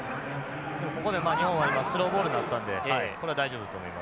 ここで日本はスローボールになったのでこれは大丈夫だと思いますね。